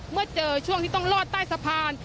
เมื่อเจอช่วงที่ต้องลอดใต้สะพาน